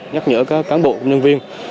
nhắc nhở các cán bộ công nhân viên